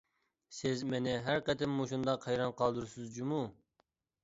سىز مېنى ھەر قېتىم مۇشۇنداق ھەيران قالدۇرىسىز جۇمۇ؟ !